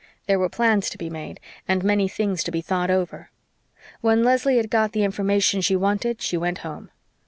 There were plans to be made and many things to be thought over. When Leslie had got the information she wanted she went home.